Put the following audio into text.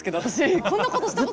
こんなことしたことなかった。